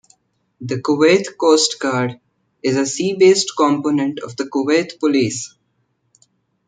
The Kuwait Coast Guard is a sea based component of the Kuwait Police.